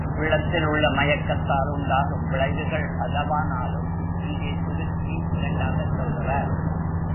உள்ளத்தில் உள்ள மயக்கத்தால் உண்டாகும் விளைவுகள் பலவானாலும் இங்கே சுருக்கி இரண்டாகச் சொல்கிறார்.